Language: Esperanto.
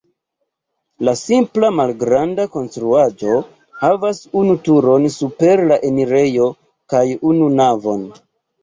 La simpla, malgranda konstruaĵo havas unu turon super la enirejo kaj unu navon.